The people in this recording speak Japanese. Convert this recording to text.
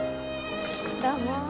どうも。